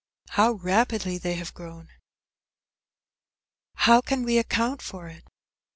How rapidly they have grown! I How can we account for it?